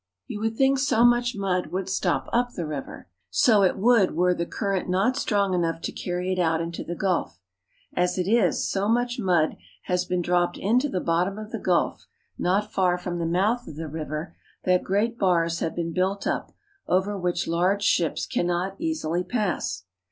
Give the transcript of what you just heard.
You would think so much mud would stop up the river. So it would were the current not strong enough to carry it out into the gulf. As it is, so much mud has been dropped into the bottom of the gulf, not far from the mouth of the river, that great bars have been built up, over which large ships cannot easily pass.